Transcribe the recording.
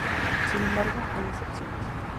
Sin embargo, hay excepciones.